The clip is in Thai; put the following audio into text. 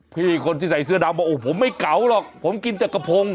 พี่คนที่ใส่เสื้อดำบอกโอ้ผมไม่เก๋าหรอกผมกินจักรพง